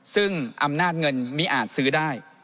ซึ่งอำนาจเงินมีอาจซื้อได้